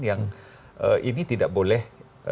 yang ini tidak boleh